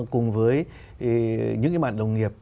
cùng với những cái bạn đồng nghiệp